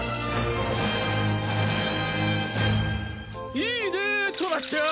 いいねトラちゃん！